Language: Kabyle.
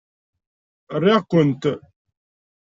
Riɣ-kent!